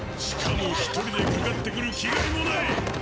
しかも１人でかかってくる気概もない！